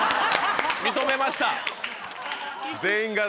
認めました！